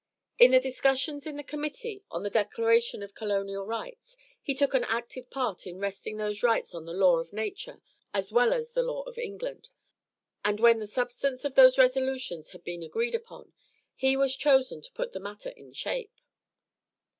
In the discussions in the committee on the declaration of colonial rights, he took an active part in resting those rights on the law of nature as well as the law of England; and when the substance of those resolutions had been agreed upon he was chosen to put the matter in shape.